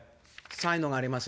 才能がありますね。